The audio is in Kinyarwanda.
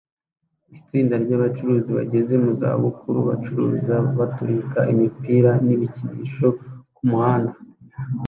Itsinda ryabacuruzi bageze mu za bukuru bagurisha baturika imipira n ibikinisho kumuhanda